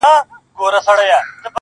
o راځه د اوښکو تويول در زده کړم.